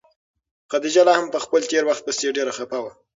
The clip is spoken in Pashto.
خدیجه لا هم په خپل تېر وخت پسې ډېره خفه وه.